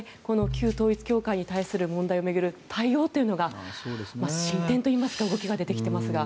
旧統一教会に対する問題を巡る対応というのが進展といいますか動きが出てきていますが。